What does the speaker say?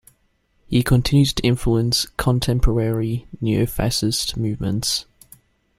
He continues to influence contemporary neofascist movements.